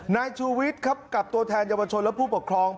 นายชูวิทย์ครับกับตัวแทนเยาวชนและผู้ปกครอง